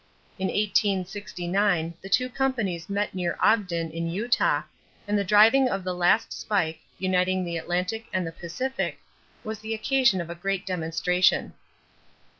In 1869 the two companies met near Ogden in Utah and the driving of the last spike, uniting the Atlantic and the Pacific, was the occasion of a great demonstration.